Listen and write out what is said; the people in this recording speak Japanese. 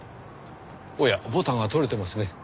おやボタンが取れてますね。